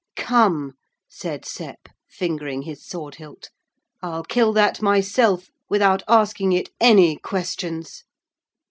'Come,' said Sep, fingering his sword hilt, 'I'll kill that myself without asking it any questions.'